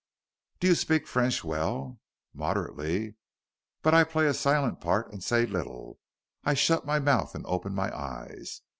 "Do you speak French well?" "Moderately. But I play a silent part and say little. I shut my mouth and open my eyes.